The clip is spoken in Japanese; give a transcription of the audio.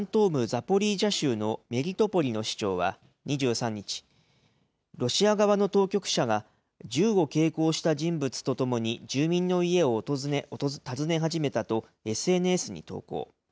ザポリージャ州のメリトポリの市長は２３日、ロシア側の当局者が、銃を携行した人物とともに住民の家を訪ね始めたとＳＮＳに投稿。